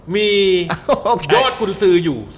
มียอดกุญสืออยู่